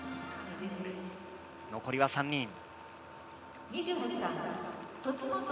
残りは３人。